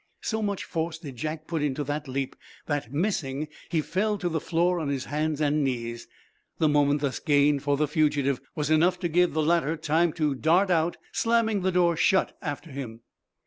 So much force did Jack put into that leap that, missing, he fell to the floor on his hands and knees. The moment thus gained for the fugitive was enough to give the latter time to dart out, slamming the door shut after him.